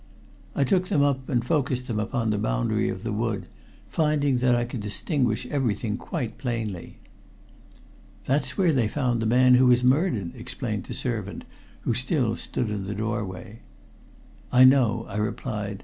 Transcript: I took them up and focused them upon the boundary of the wood, finding that I could distinguish everything quite plainly. "That's where they found the man who was murdered," explained the servant, who still stood in the doorway. "I know," I replied.